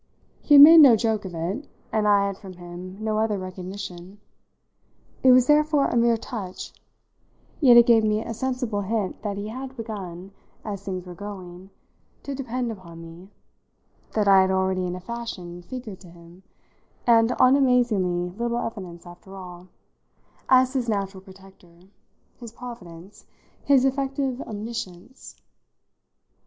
He had made no joke of it, and I had from him no other recognition; it was therefore a mere touch, yet it gave me a sensible hint that he had begun, as things were going, to depend upon me, that I already in a fashion figured to him and on amazingly little evidence after all as his natural protector, his providence, his effective omniscience.